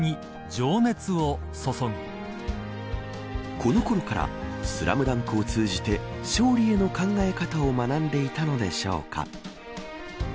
このころからスラムダンクを通じて勝利への考え方を学んでいたのでしょうか。